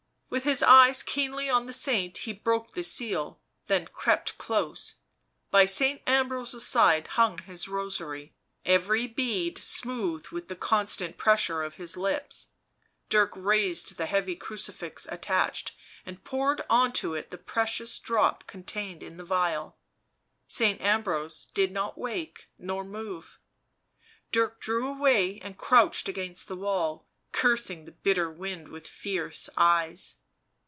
With his eyes keenly on the saint he broke the seal, then crept close. By Saint Ambrose's side hung his rosary, every bead smooth with the constant pressure of his lips ; Dirk raised the heavy crucifix attached, and poured on to it the precious drop con tained in the phial. Saint Ambrose did not wake nor move ; Dirk drew away and crouched against the wall, cursing the bitter wind with fierce eyes.